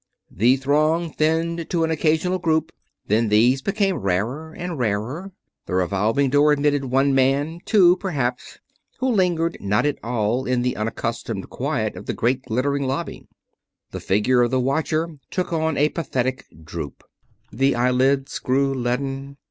The throng thinned to an occasional group. Then these became rarer and rarer. The revolving door admitted one man, or two, perhaps, who lingered not at all in the unaccustomed quiet of the great glittering lobby. The figure of the watcher took on a pathetic droop. The eyelids grew leaden.